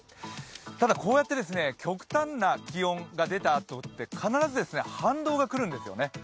ただ、こうやって極端な気温が出たあとって必ずですね、反動が来るんですよね